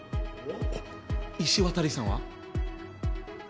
お石渡さんは？